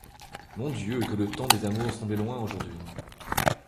Mon Dieu, que le temps des amours semblait loin, aujourd'hui !